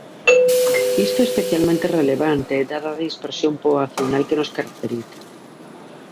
Isto é especialmente relevante dada a dispersión poboacional que nos caracteriza.